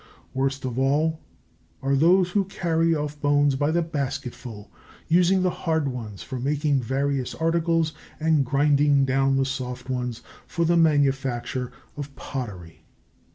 Worst of all are those who carry off bones by the basketful, using the hard ones for making various articles and grinding down the soft ones for the manufacture of pottery.